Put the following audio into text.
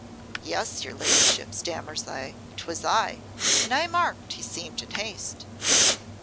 'Yes, your ladyship,' stammers I. ''Twas I and I marked he seemed in haste.'